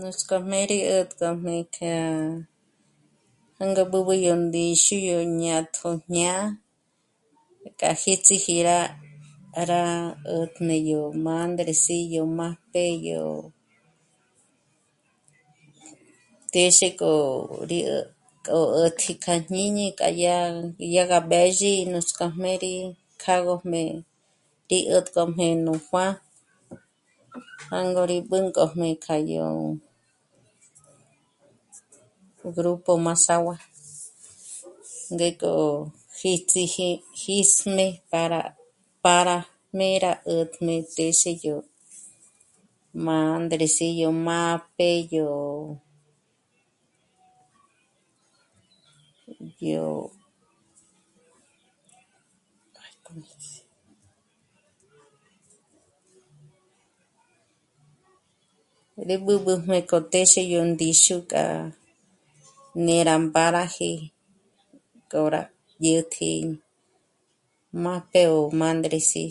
Nuts'k'ójmé rí 'ä̀tjkojmé kjâ'a... jângo b'ǚb'ü yó ndíxu yó jñátjo jñá'a k'a jíts'iji rá... rá 'ä̀tjmé yó mândres'i yó májp'e yó... téxe k'o rí 'ä̀tk'o 'ä̀jtji kja jñíñi pa yá... yá gá mbézhi núts'k'ójmé k'â'agöjmé, rí 'ä̀tk'ojmé yó juäj..., jângo rí b'ûnk'ojmé kja yó grupo mazahua ndék'o jíts'iji jís'jmé para, para mé'e rá 'ä̀tjmé téxe yó mândres'i, yó májp'e, yó... yó... [ay, ¿cómo dice?], rí b'ǚb'ü jm'ék'o téxe yó ndíxu k'a né'e rá mbáraji k'o rá dyä̀tji májp'e ó mândre'si